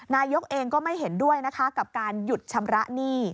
นายกเองก็ไม่เห็นด้วยนะคะกับการหยุดชำระหนี้